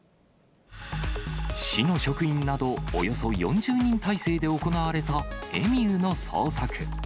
市の職員など、およそ４０人態勢で行われたエミューの捜索。